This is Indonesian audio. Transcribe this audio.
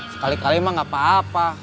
sekali kali mah gak apa apa